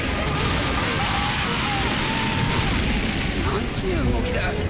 何ちゅう動きだ。